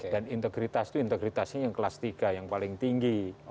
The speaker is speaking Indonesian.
dan integritas itu integritasnya yang kelas tiga yang paling tinggi